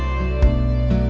aku mau ke sana